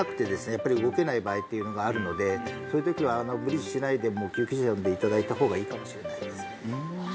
やっぱり動けない場合っていうのがあるのでそういう時は無理しないで救急車呼んでいただいた方がいいかもしれないですねああ